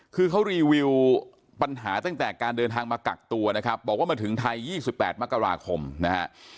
คือเขารีวิวปัญหาตั้งแต่การเดินทางมากักตัวนะครับบอกว่ามาถึงไทย๒๘มกราคมนะฮะ